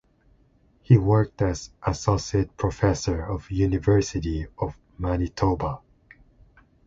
He worked as Associate Professor in University of Manitoba.